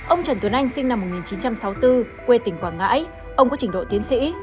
ông trần tuấn anh sinh năm một nghìn chín trăm sáu mươi bốn quê tỉnh quảng ngãi ông có trình độ tiến sĩ